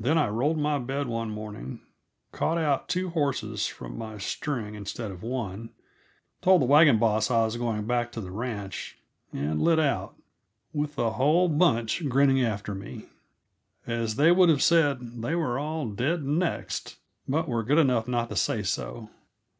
Then I rolled my bed one morning, caught out two horses from my string instead of one, told the wagon boss I was going back to the ranch, and lit out with the whole bunch grinning after me. As they would have said, they were all "dead next," but were good enough not to say so.